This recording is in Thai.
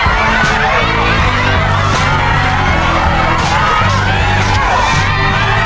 แก้วสุดท้าย